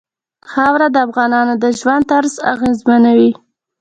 خاوره د افغانانو د ژوند طرز اغېزمنوي.